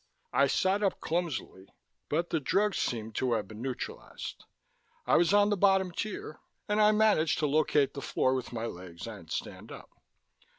I sat up clumsily, but the drugs seemed to have been neutralized. I was on the bottom tier, and I managed to locate the floor with my legs and stand up.